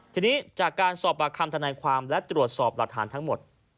ทีนี้จากการสอบปากคำทนายความและตรวจสอบหลักฐานทั้งหมด